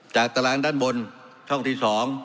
ตารางด้านบนช่องที่๒